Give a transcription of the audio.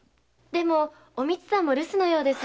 でもおみつさんも留守のようですし。